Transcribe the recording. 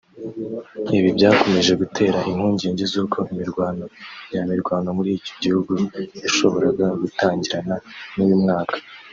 Ibi byakomeje gutera impungenge zuko imirwano nya mirwano muri icyo gihugu yashoboraga gutangirana n’uyu mwaka